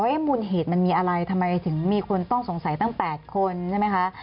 มูลเหตุมันมีอะไรทำไมถึงมีคนต้องสงสัยตั้ง๘คนใช่ไหมคะ